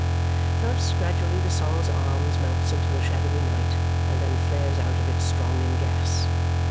Thus, gradually the Sol's Arms melts into the shadowy night and then flares out of it strong in gas.